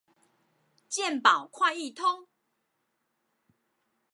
健保快易通